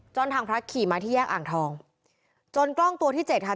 ทางพระขี่มาที่แยกอ่างทองจนกล้องตัวที่เจ็ดค่ะ